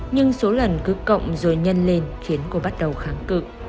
nhưng số lần cứ cộng rồi nhân lên khiến cô bắt đầu kháng cự